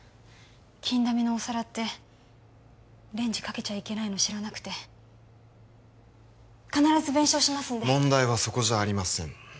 金彩のお皿ってレンジかけちゃいけないの知らなくて必ず弁償しますんで問題はそこじゃありません